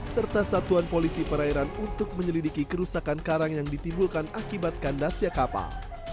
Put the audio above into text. serta satuan polisi perairan untuk menyelidiki kerusakan karang yang ditimbulkan akibat kandasnya kapal